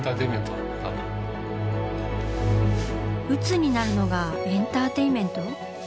鬱になるのがエンターテインメント？